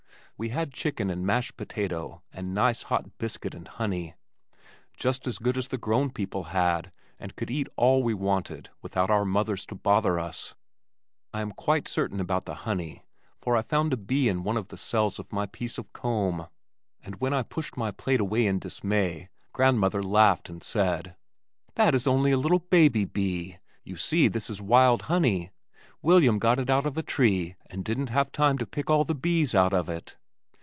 We had chicken and mashed potato and nice hot biscuit and honey just as good as the grown people had and could eat all we wanted without our mothers to bother us. I am quite certain about the honey for I found a bee in one of the cells of my piece of comb, and when I pushed my plate away in dismay grandmother laughed and said, "That is only a little baby bee. You see this is wild honey. William got it out of a tree and didn't have time to pick all the bees out of it."